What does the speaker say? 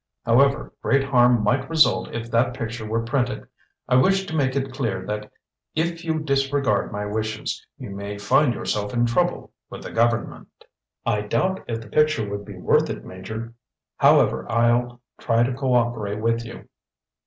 However, great harm might result if that picture were printed. I wish to make it clear that if you disregard my wishes, you may find yourself in trouble with the government." "I doubt if the picture would be worth it, Major. However, I'll try to cooperate with you."